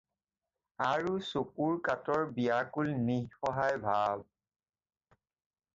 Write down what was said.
আৰু চকুৰ কাতৰ বিয়াকুল নিঃসহায় ভাৱ।